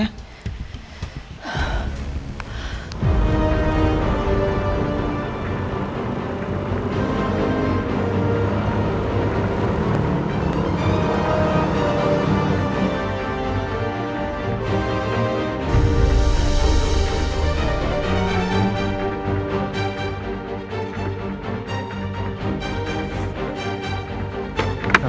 aku mau ke rumah